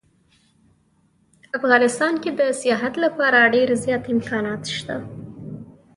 افغانستان کې د سیاحت لپاره ډیر زیات امکانات شته